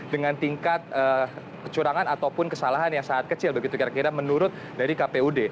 dengan tingkat kecurangan ataupun kesalahan yang sangat kecil begitu kira kira menurut dari kpud